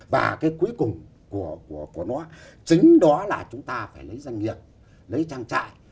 và cái cuối cùng của nó chính đó là chúng ta phải lấy doanh nghiệp lấy trang trại